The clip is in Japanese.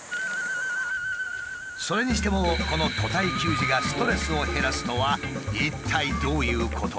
それにしてもこの屠体給餌がストレスを減らすとは一体どういうことなのか？